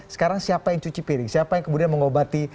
sekarang siapa yang cuci piring siapa yang kemudian mengobati